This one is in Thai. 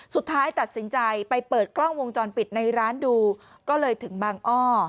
สุดท้ายตัดสินใจไปเปิดกล้องวงจรปิดในร้านดูก็เลยถึงบางอ้อ